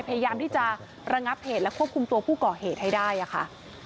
พยายามที่จะระงับเหตุและควบคุมตัวผู้ก่อเหตุให้ได้ค่ะ